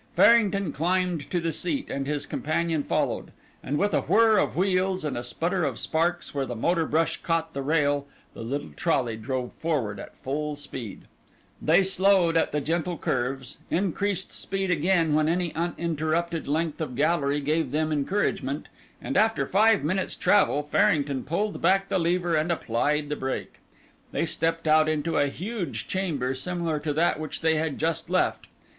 Farrington climbed to the seat, and his companion followed, and with a whirr of wheels and a splutter of sparks where the motor brush caught the rail, the little trolley drove forward at full speed. They slowed at the gentle curves, increased speed again when any uninterrupted length of gallery gave them encouragement, and after five minutes' travel Farrington pulled back the lever and applied the brake. They stepped out into a huge chamber similar to that which they had just left.